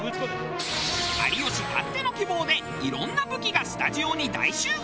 有吉たっての希望で色んな武器がスタジオに大集合。